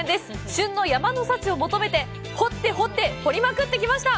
旬の山の幸を求めて、掘って掘って掘りまくってきました。